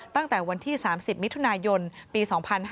ตั้งแต่วันที่๓๐มิถุนายนปี๒๕๕๙